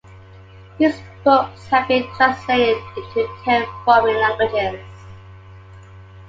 His books have been translated into ten foreign languages.